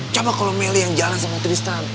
coba kalau meli yang jalan sama tristan